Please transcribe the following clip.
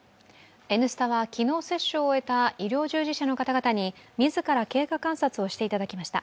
「Ｎスタ」は昨日接種を終えた医療従事者の方々にみずから経過観察をしていただきました。